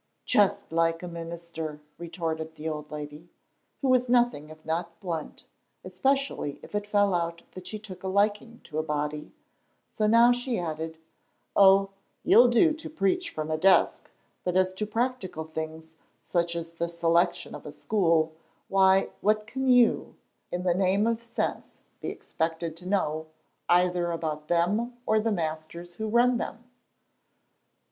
"Just like a minister," retorted the old lady, who was nothing if not blunt, especially if it fell out that she took a liking to a body; so now she added, "Oh, you'll do to preach from a desk; but as to practical things, such as the selection of a school, why, what can you, in the name of sense, be expected to know, either about them or the masters who run them?"